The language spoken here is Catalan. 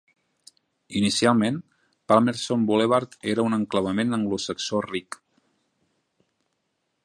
Inicialment, Palmerston Boulevard era un enclavament anglosaxó ric.